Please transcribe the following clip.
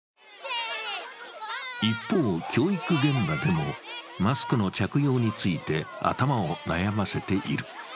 一方、教育現場でもマスクの着用について、頭を悩ませている。